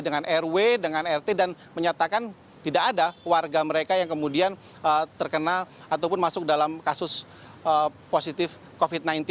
dengan rw dengan rt dan menyatakan tidak ada warga mereka yang kemudian terkena ataupun masuk dalam kasus positif covid sembilan belas